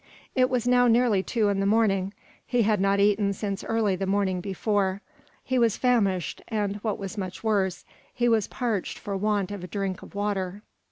It was now nearly two in the morning. He had not eaten since early the morning before. He was famished, and, what was much worse, was parched for want of a drink of water.